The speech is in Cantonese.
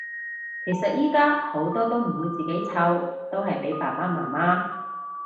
其實依家好多都唔會自己湊，都係俾爸爸媽媽